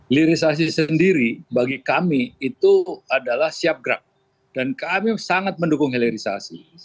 hilirisasi sendiri bagi kami itu adalah siap gerak dan kami sangat mendukung hilirisasi